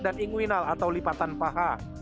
dan inguinal atau lipatan paha